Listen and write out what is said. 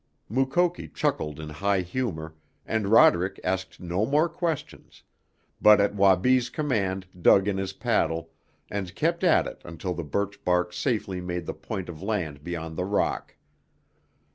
Mukoki chuckled in high humor, and Roderick asked no more questions, but at Wabi's command dug in his paddle and kept at it until the birch bark safely made the point of land beyond the rock.